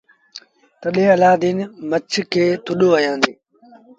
تڏهيݩ الآدين مڇ کي ٿڏو هڻيآندي۔